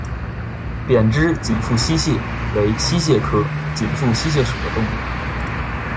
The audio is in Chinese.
扁肢紧腹溪蟹为溪蟹科紧腹溪蟹属的动物。